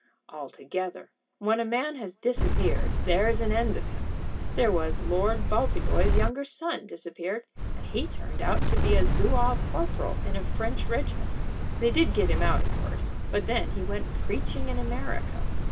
"Altogether. When a man has disappeared there's an end of him. There was Lord Baltiboy's younger son disappeared, and he turned out to be a Zouave corporal in a French regiment. They did get him out, of course, but then he went preaching in America.